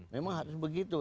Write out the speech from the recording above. memang harus begitu